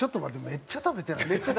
めっちゃ食べてないですか？